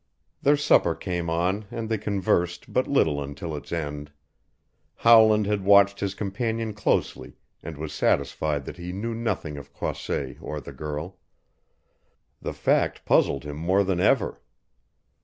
Their supper came on and they conversed but little until its end. Howland had watched his companion closely and was satisfied that he knew nothing of Croisset or the girl. The fact puzzled him more than ever.